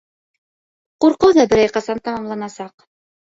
Ҡурҡыу ҙа берәй ҡасан тамамланасаҡ.